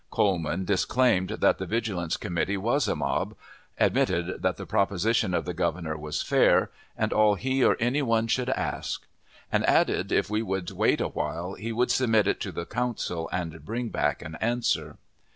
Coleman disclaimed that the vigilance organization was a "mob," admitted that the proposition of the Governor was fair, and all he or any one should ask; and added, if we would wait awhile, he would submit it to the council, and bring back an answer.